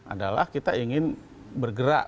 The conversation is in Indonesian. adalah kita ingin bergerak